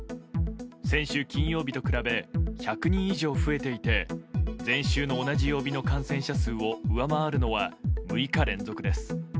先週金曜日と比べ１００人以上増えていて前週の同じ曜日の感染者数を上回るのは６日連続です。